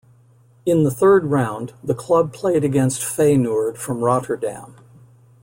In the third round, the club played against Feyenoord from Rotterdam.